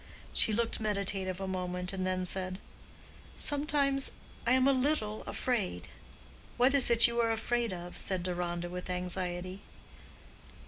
She looked meditative a moment, and then said, "sometimes I am a little afraid." "What is it you are afraid of?" said Deronda with anxiety.